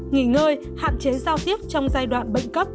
nghỉ ngơi hạn chế giao tiếp trong giai đoạn bệnh cấp